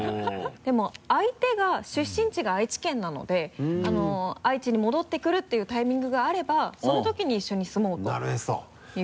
でも相手が出身地が愛知県なので愛知に戻ってくるっていうタイミングがあればそのときに一緒に住もうというふうに。